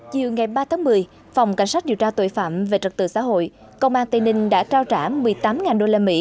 chiều ngày ba tháng một mươi phòng cảnh sát điều tra tội phạm về trật tự xã hội công an tây ninh đã trao trả một mươi tám usd